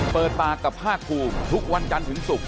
เปิดปากกับภาคภูมิทุกวันจันทร์ถึงศุกร์